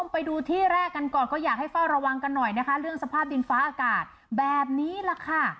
ไปดูที่แรกกันก่อนก็อยากให้เฝ้าระวังกันหน่อยนะคะเรื่องสภาพดินฟ้าอากาศแบบนี้แหละค่ะ